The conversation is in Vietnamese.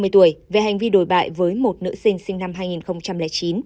năm mươi tuổi về hành vi đổi bại với một nữ sinh sinh năm hai nghìn chín